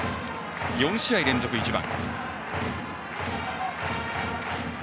４試合連続、１番。